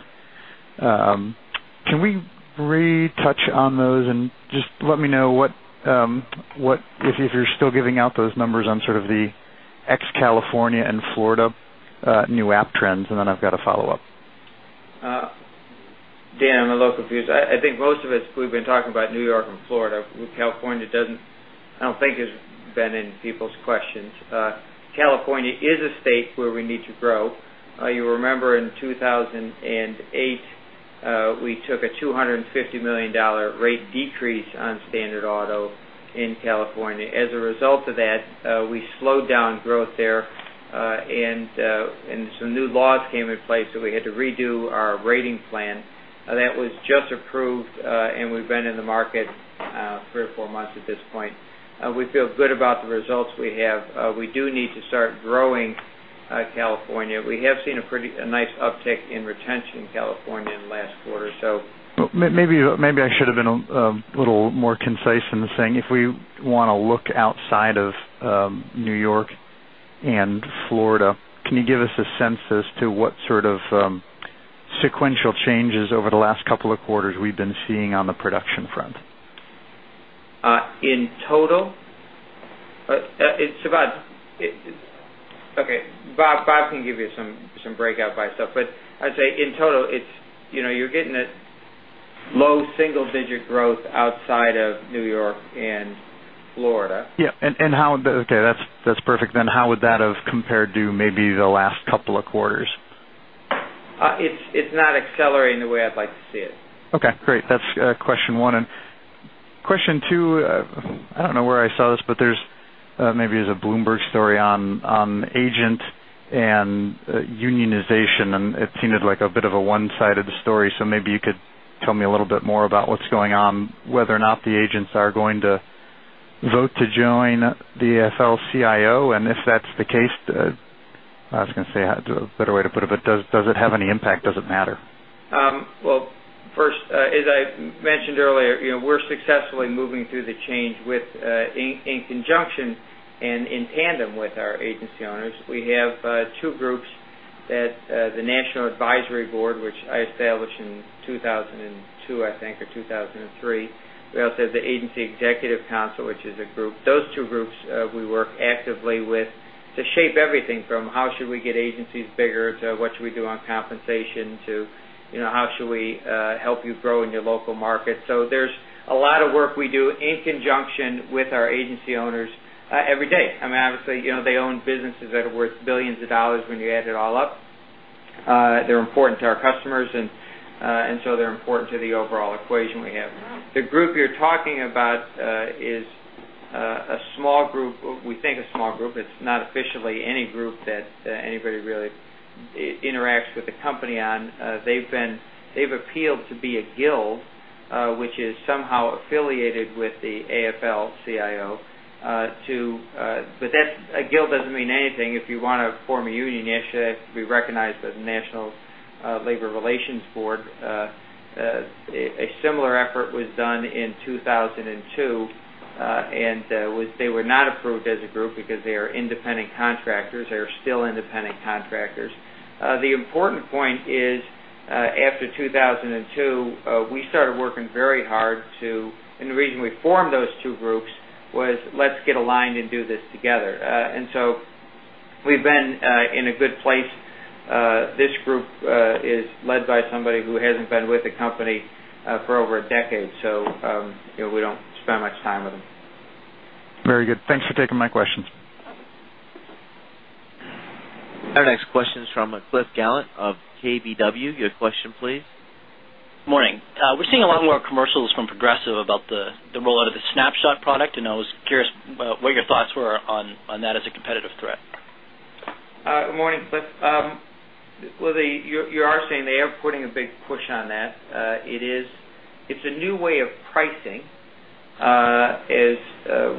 Can we retouch on those and just let me know if you're still giving out those numbers on sort of the ex California and Florida new app trends, and then I've got a follow-up. Dan, I'm a little confused. I think most of it we've been talking about N.Y. and Florida. California, I don't think has been in people's questions. California is a state where we need to grow. You remember in 2008, we took a $250 million rate decrease on standard auto in California. As a result of that, we slowed down growth there. Some new laws came in place, so we had to redo our rating plan. That was just approved, and we've been in the market three or four months at this point. We feel good about the results we have. We do need to start growing California. We have seen a nice uptick in retention in California in the last quarter or so. Maybe I should have been a little more concise in saying if we want to look outside of N.Y. and Florida, can you give us a sense as to what sort of sequential changes over the last couple of quarters we've been seeing on the production front? In total? Okay. Bob can give you some breakout by itself. I'd say in total, you're getting a low single-digit growth outside of N.Y. and Florida. Yeah. Okay, that's perfect. How would that have compared to maybe the last couple of quarters? It's not accelerating the way I'd like to see it. Okay, great. That's question one. Question two, I don't know where I saw this, but there's maybe it was a Bloomberg on agent and unionization, and it seemed like a bit of a one-sided story. Maybe you could tell me a little bit more about what's going on, whether or not the agents are going to vote to join the AFL-CIO, and if that's the case Does it have any impact? Does it matter? First, as I mentioned earlier, we're successfully moving through the change in conjunction and in tandem with our agency owners. We have two groups at the National Advisory Board, which I established in 2002 or 2003. We also have the Agency Executive Council, which is a group. Those two groups we work actively with to shape everything from how should we get agencies bigger, to what should we do on compensation, to how should we help you grow in your local market. There's a lot of work we do in conjunction with our agency owners every day. Obviously, they own businesses that are worth billions of dollars when you add it all up. They're important to our customers, they're important to the overall equation we have. The group you're talking about is a small group. We think a small group. It's not officially any group that anybody really interacts with the company on. They've appealed to be a guild, which is somehow affiliated with the AFL-CIO. Guild doesn't mean anything. If you want to form a union, you have to be recognized by the National Labor Relations Board. A similar effort was done in 2002. They were not approved as a group because they are independent contractors. They are still independent contractors. The important point is, after 2002, we started working very hard, and the reason we formed those two groups was let's get aligned and do this together. We've been in a good place. This group is led by somebody who hasn't been with the company for over a decade, so we don't spend much time with them. Very good. Thanks for taking my questions. Our next question is from Cliff Gallant of KBW. Your question, please. Morning. We're seeing a lot more commercials from Progressive about the rollout of the Snapshot product. I was curious what your thoughts were on that as a competitive threat. Good morning, Cliff. Well, you are saying they are putting a big push on that. It's a new way of pricing,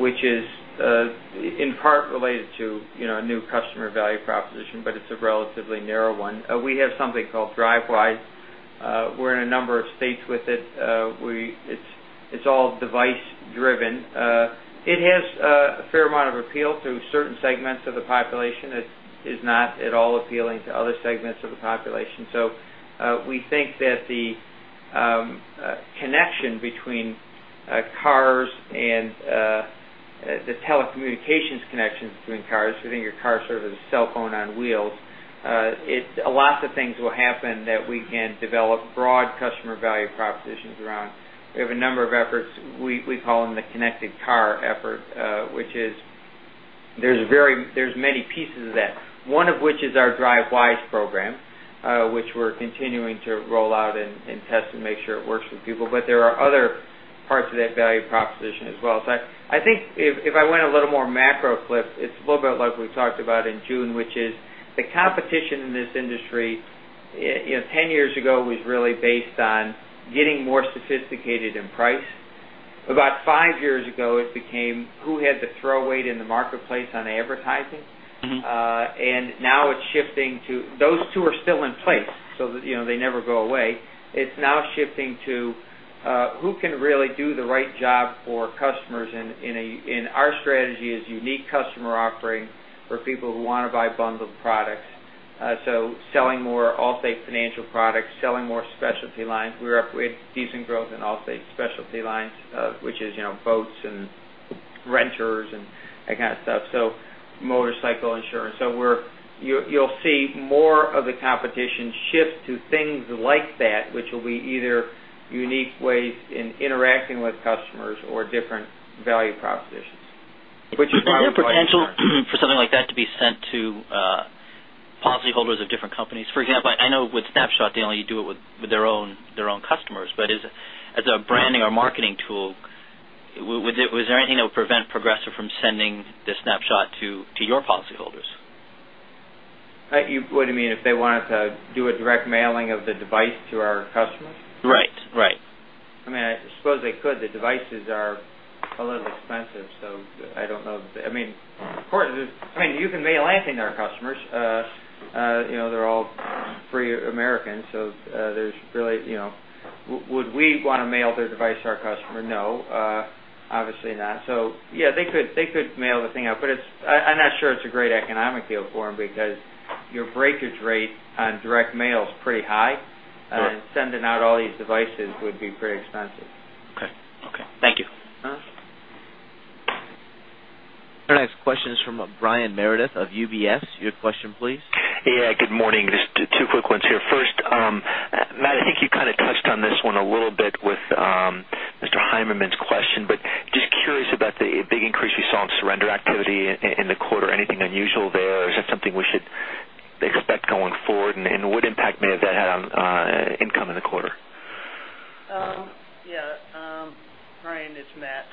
which is in part related to a new customer value proposition, but it's a relatively narrow one. We have something called Drivewise. We're in a number of states with it. It's all device driven. It has a fair amount of appeal to certain segments of the population. It is not at all appealing to other segments of the population. We think that the connection between cars and the telecommunications connection between cars, we think of car service as a cell phone on wheels. Lots of things will happen that we can develop broad customer value propositions around. We have a number of efforts. We call them the connected car effort. There's many pieces of that. One of which is our Drivewise program, which we're continuing to roll out and test and make sure it works with people. There are other parts of that value proposition as well. I think if I went a little more macro, Cliff, it's a little bit like we talked about in June, which is the competition in this industry, 10 years ago, was really based on getting more sophisticated in price. About five years ago, it became who had the throw weight in the marketplace on advertising. Those two are still in place. They never go away. It's now shifting to who can really do the right job for customers. Our strategy is unique customer offering for people who want to buy bundled products. Selling more Allstate Financial products, selling more Allstate specialty lines. We had decent growth in Allstate specialty lines, which is boats and renters and that kind of stuff, and motorcycle insurance. You'll see more of the competition shift to things like that, which will be either unique ways in interacting with customers or different value propositions. Is there potential for something like that to be sent to policyholders of different companies? For example, I know with Snapshot, they only do it with their own customers, but as a branding or marketing tool, was there anything that would prevent Progressive from sending the Snapshot to your policyholders? What, do you mean if they wanted to do a direct mailing of the device to our customers? Right. I suppose they could. The devices are a little expensive, I don't know. You can mail anything to our customers. They're all free Americans. Would we want to mail their device to our customer? No, obviously not. Yeah, they could mail the thing out, but I'm not sure it's a great economic deal for them because your breakage rate on direct mail is pretty high. Sure. Sending out all these devices would be pretty expensive. Okay. Thank you. Our next question is from Brian Meredith of UBS. Your question, please. Yeah, good morning. Just two quick ones here. First, Matt, I think you kind of touched on this one a little bit with Mr. Heimermann's question. Just curious about the big increase you saw in surrender activity in the quarter. Anything unusual there, or is that something we should expect going forward? What impact may have that had on income in the quarter? Yeah. Brian, it's Matt.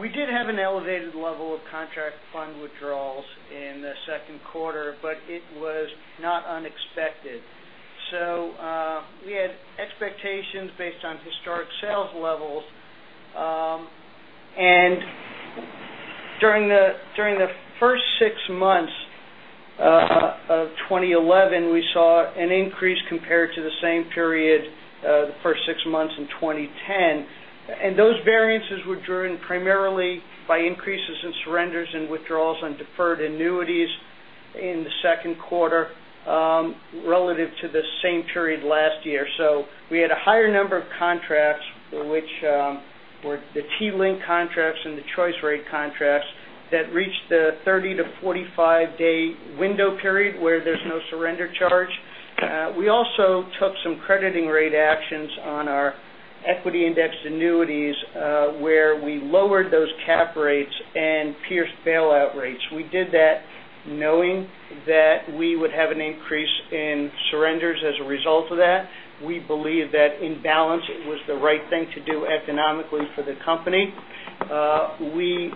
We did have an elevated level of contract fund withdrawals in the second quarter. It was not unexpected. We had expectations based on historic sales levels. During the first six months of 2011, we saw an increase compared to the same period, the first six months in 2010. Those variances were driven primarily by increases in surrenders and withdrawals on deferred annuities in the second quarter relative to the same period last year. We had a higher number of contracts, which were the T-Link contracts and the Allstate Choice Rate contracts that reached the 30-45-day window period where there's no surrender charge. We also took some crediting rate actions on our Equity-Indexed Annuities, where we lowered those cap rates and pierced bailout rates. We did that knowing that we would have an increase in surrenders as a result of that. We believe that in balance, it was the right thing to do economically for the company. We,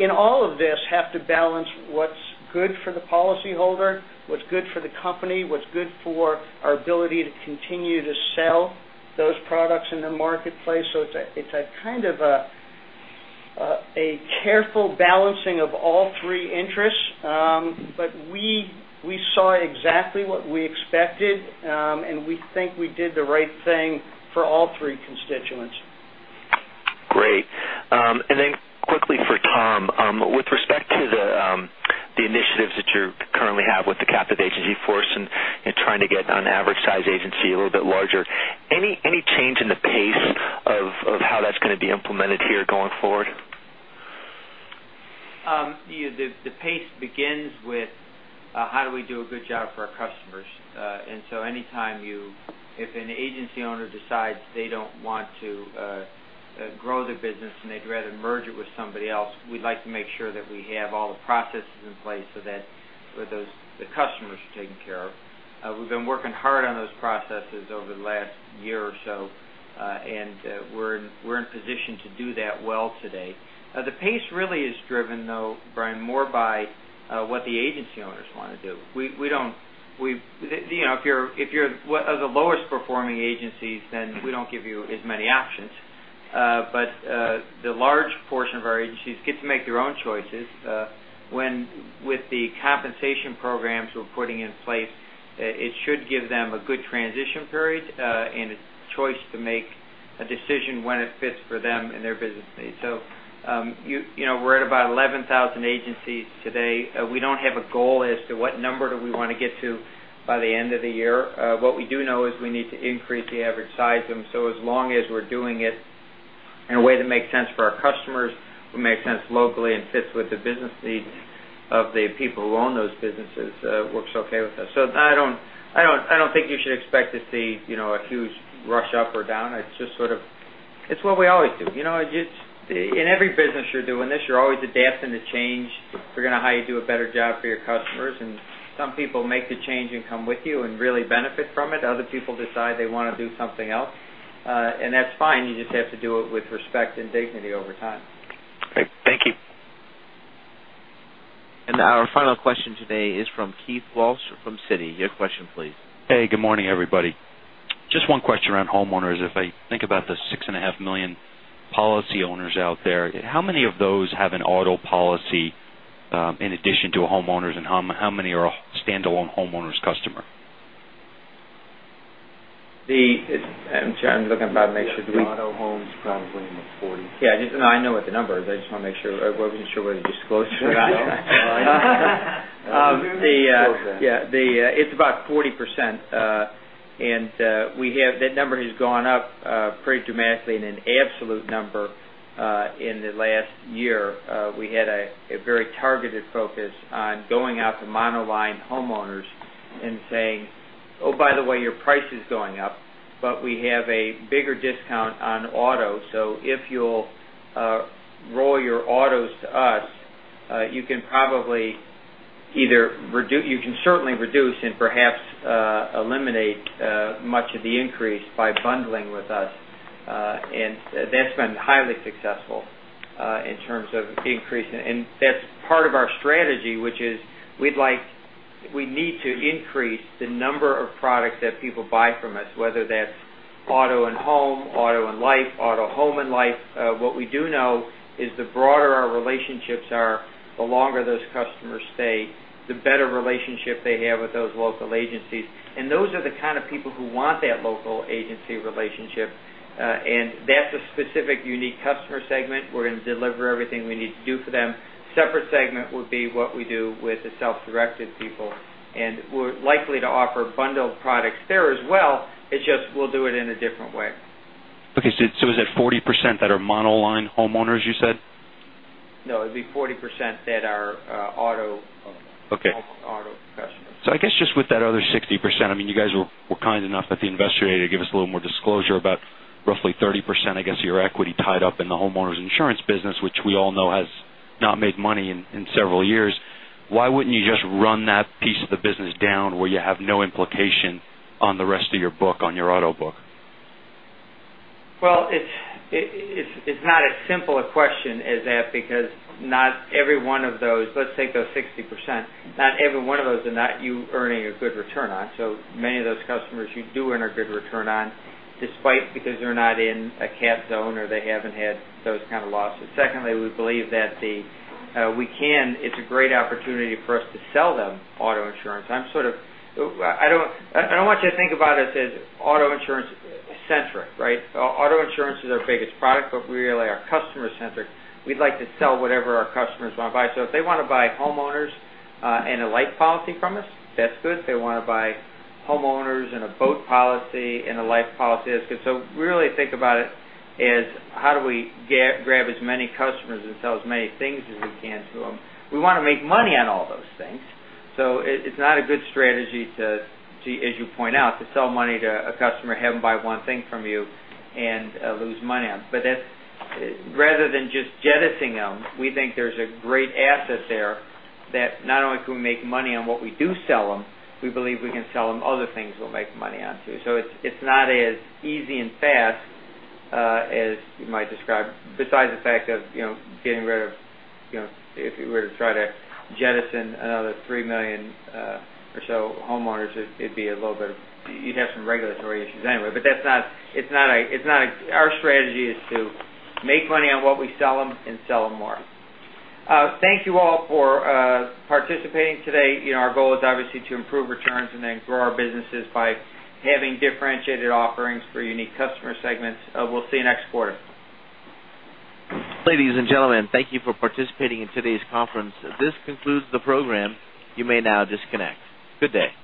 in all of this, have to balance what's good for the policyholder, what's good for the company, what's good for our ability to continue to sell those products in the marketplace. It's a kind of a careful balancing of all three interests. We saw exactly what we expected. We think we did the right thing for all three constituents. Great. Quickly for Tom, with respect to the initiatives that you currently have with the captive agency force and trying to get an average size agency a little bit larger, any change in the pace of how that's going to be implemented here going forward? The pace begins with how do we do a good job for our customers? Anytime if an agency owner decides they don't want to grow their business and they'd rather merge it with somebody else, we'd like to make sure that we have all the processes in place so that the customers are taken care of. We've been working hard on those processes over the last year or so, and we're in position to do that well today. The pace really is driven, though, Brian, more by what the agency owners want to do. If you're one of the lowest performing agencies, then we don't give you as many options. The large portion of our agencies get to make their own choices. With the compensation programs we're putting in place, it should give them a good transition period, and a choice to make a decision when it fits for them and their business needs. We're at about 11,000 agencies today. We don't have a goal as to what number do we want to get to by the end of the year. What we do know is we need to increase the average size of them. As long as we're doing it in a way that makes sense for our customers, will make sense locally, and fits with the business needs of the people who own those businesses, it works okay with us. I don't think you should expect to see a huge rush up or down. It's what we always do. In every business you're doing this, you're always adapting to change, figuring out how you do a better job for your customers, some people make the change and come with you and really benefit from it. Other people decide they want to do something else, and that's fine. You just have to do it with respect and dignity over time. Great. Thank you. Our final question today is from Keith Walsh from Citi. Your question, please. Hey, good morning, everybody. Just one question around homeowners. If I think about the six and a half million policy owners out there, how many of those have an auto policy in addition to a homeowners, and how many are a standalone homeowners customer? I'm looking to make sure- Auto homes, probably in the 40s. Yeah, I know what the number is. I just want to make sure. I wasn't sure whether to disclose or not. It's about 40%, and that number has gone up pretty dramatically in an absolute number in the last year. We had a very targeted focus on going out to monoline homeowners and saying, "Oh, by the way, your price is going up, but we have a bigger discount on auto. So if you'll roll your autos to us, you can certainly reduce and perhaps eliminate much of the increase by bundling with us." That's been highly successful in terms of increasing. That's part of our strategy, which is we need to increase the number of products that people buy from us, whether that's auto and home, auto and life, auto, home, and life. What we do know is the broader our relationships are, the longer those customers stay, the better relationship they have with those local agencies. Those are the kind of people who want that local agency relationship. That's a specific, unique customer segment. We're going to deliver everything we need to do for them. Separate segment would be what we do with the self-directed people, and we're likely to offer bundled products there as well. It's just we'll do it in a different way. Okay, is that 40% that are monoline homeowners, you said? No, it'd be 40% that are auto customers. Okay. I guess just with that other 60%, I mean, you guys were kind enough at the Investor Day to give us a little more disclosure about roughly 30%, I guess, your equity tied up in the homeowners insurance business, which we all know has not made money in several years. Why wouldn't you just run that piece of the business down where you have no implication on the rest of your book, on your auto book? Well, it's not as simple a question as that, because not every one of those, let's take those 60%, not every one of those are not you earning a good return on. Many of those customers you do earn a good return on despite because they're not in a cat zone or they haven't had those kind of losses. We believe that it's a great opportunity for us to sell them auto insurance. I don't want you to think about us as auto insurance centric. Auto insurance is our biggest product, but we really are customer centric. We'd like to sell whatever our customers want to buy. If they want to buy homeowners and a life policy from us, that's good. If they want to buy homeowners and a boat policy and a life policy, that's good. Really think about it as how do we grab as many customers and sell as many things as we can to them. We want to make money on all those things. It's not a good strategy to, as you point out, to sell money to a customer, have them buy one thing from you, and lose money on. Rather than just jettisoning them, we think there's a great asset there that not only can we make money on what we do sell them, we believe we can sell them other things we'll make money on, too. It's not as easy and fast as you might describe. Besides the fact of getting rid of, if we were to try to jettison another 3 million or so homeowners, you'd have some regulatory issues anyway. Our strategy is to make money on what we sell them and sell them more. Thank you all for participating today. Our goal is obviously to improve returns and then grow our businesses by having differentiated offerings for unique customer segments. We'll see you next quarter. Ladies and gentlemen, thank you for participating in today's conference. This concludes the program. You may now disconnect. Good day.